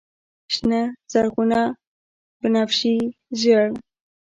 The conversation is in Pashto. شنه، زرغونه، بنفشیې، ژړ